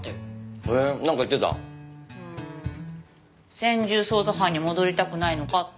専従捜査班に戻りたくないのかって。